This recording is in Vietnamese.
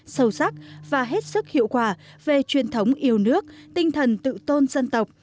sâu sắc và hết sức hiệu quả về truyền thống yêu nước tinh thần tự tôn dân tộc